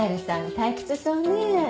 退屈そうね。